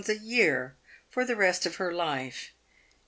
a year for the rest of her life.